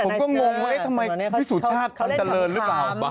ผมก็มงว่าทำไมพี่สุทธาตุตันตะเลินหรือเปล่า